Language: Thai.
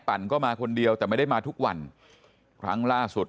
ปั่นก็มาคนเดียวแต่ไม่ได้มาทุกวันครั้งล่าสุด